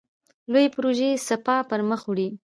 لویې پروژې سپاه پرمخ وړي.